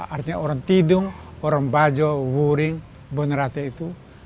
artinya orang tidung orang bajo wuring bonerate itu